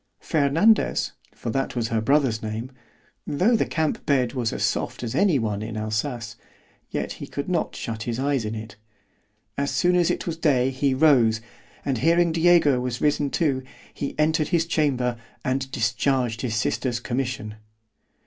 Fernandez (for that was her brother's name)——tho' the camp bed was as soft as any one in Alsace, yet he could not shut his eyes in it.——As soon as it was day he rose, and hearing Diego was risen too, he entered his chamber, and discharged his sister's commission.